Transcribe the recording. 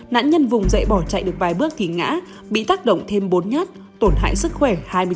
nạn nhân vùng dậy bỏ chạy được vài bước thì ngã bị tác động thêm bốn nhát tổn hại sức khỏe hai mươi sáu